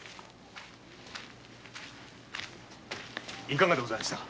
いかがでございました？